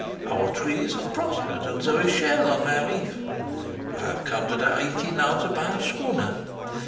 Our trees have prospered, and there is shell on my reef. I have come to Tahiti now to buy a schooner.